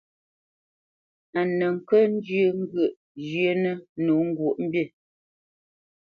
A nə kə́ njyə́ ŋgyə̂ʼ zhyə́nə̄ nǒ ŋgwǒʼmbî.